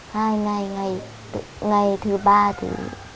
hai ngày ngày thứ ba thì